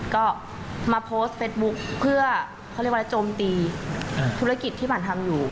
ก็มาโพสต์เฟสบุ๊คเพื่อเขาเรียกว่าโจมตีธุรกิจที่หั่นทำอยู่